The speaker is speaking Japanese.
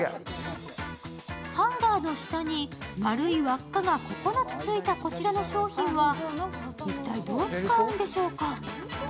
ハンガーの下に丸い輪っかが９つついたこちらの商品は一体、どう使うんでしょうか？